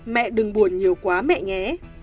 mẹ đừng buồn nhiều quá mẹ nhé